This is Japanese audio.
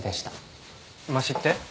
ましって？